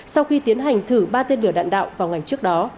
sau khi tiến hành thử ba tên lửa đạn đạo vào ngày trước đó